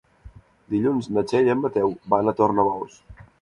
Dilluns na Txell i en Mateu van a Tornabous.